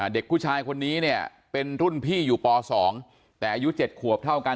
เด็กผู้ชายคนนี้เนี่ยเป็นรุ่นพี่อยู่ป๒แต่อายุ๗ขวบเท่ากัน